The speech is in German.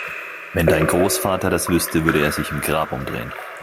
Wenn dein Großvater das wüsste, würde er sich im Grab umdrehen